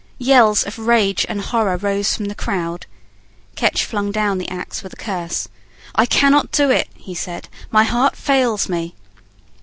Yells of rage and horror rose from the crowd. Ketch flung down the axe with a curse. "I cannot do it," he said; "my heart fails me."